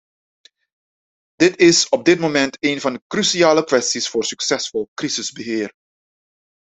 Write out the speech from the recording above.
Dit is op dit moment een van de cruciale kwesties voor succesvol crisisbeheer.